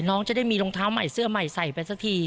น้องจะได้มีรองเท้าใหม่เสื้อใหม่ใส่ไปสักที